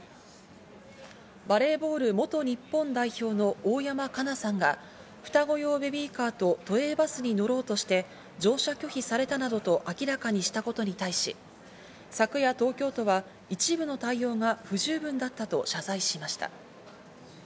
バレーボール元日本代表の大山加奈さんが双子用ベビーカーと都営バスに乗ろうとして乗車拒否されたなどと明らかにしたことに対し、昨夜、東京都は一部の対応が不十分だったと謝罪しました。